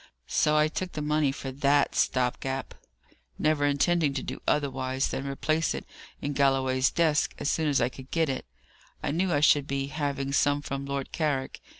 So I took the money for that stop gap, never intending to do otherwise than replace it in Galloway's desk as soon as I could get it. I knew I should be having some from Lord Carrick.